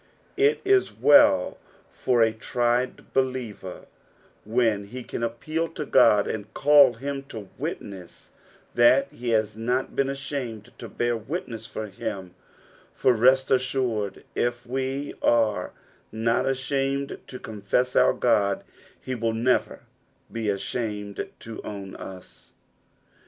It is well for a tried believer when he can appeal to Qod and call him to witness that he has not been ashamed to bear witness for him ; for rest assured if we are not ashamed to confess our God, he will never be ashamed to own ua.